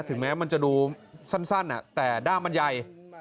ถึงแม้มันจะดูสั้นแต่ด้ามมันใหญ่